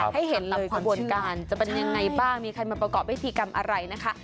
ให้เห็นตามขบวนการจะเป็นยังไงบ้างมีใครมาประกอบพิธีกรรมอะไรนะคะ